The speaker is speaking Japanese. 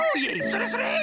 それそれ！